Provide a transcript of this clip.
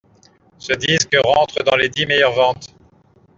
Ce disque rentre dans les dix meilleures ventes.